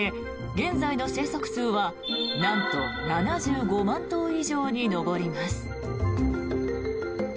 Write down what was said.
現在の生息数はなんと７５万頭以上に上ります。